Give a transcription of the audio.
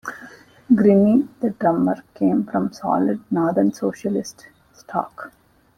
Grinny the drummer came from solid northern socialist stock...